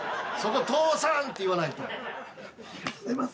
そこ「父さん！」って言わないと。